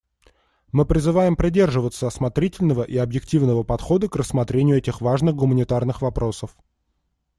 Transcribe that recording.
Мы призываем придерживаться осмотрительного и объективного подхода к рассмотрению этих важных гуманитарных вопросов.